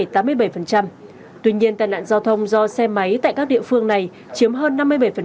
tuy nhiên tai nạn giao thông do xe máy tại các địa phương này chiếm hơn năm mươi bảy